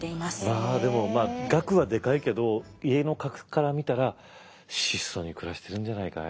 まあでも額はでかいけど家の格から見たら質素に暮らしてるんじゃないかい？